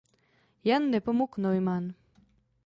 Jan Nepomuk Neumann.